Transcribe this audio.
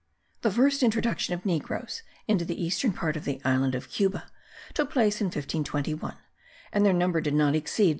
The first introduction of negroes into the eastern part of the island of Cuba took place in 1521 and their number did not exceed 300.